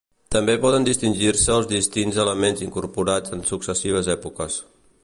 També poden distingir-se els distints elements incorporats en successives èpoques.